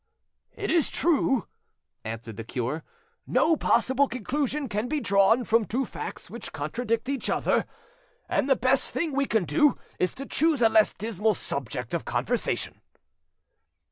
"It is true," answered the cure, "no possible conclusion can be drawn from two facts which contradict each other, and the best thing we can do is to choose a less dismal subject of conversation."